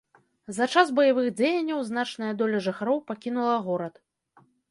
За час баявых дзеянняў значная доля жыхароў пакінула горад.